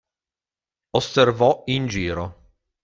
Osservò in giro.